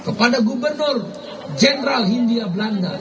kepada gubernur jenderal hindia belanda